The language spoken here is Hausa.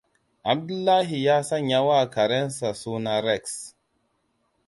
Abdullahi ya sanyawa karensa suna Rex.